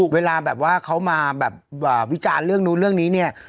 เวลาแบบว่าเขามาแบบวิจารณ์เรื่องนู้นเรื่องนี้เนี่ย